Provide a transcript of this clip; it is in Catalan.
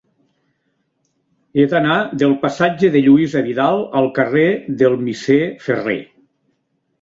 He d'anar del passatge de Lluïsa Vidal al carrer del Misser Ferrer.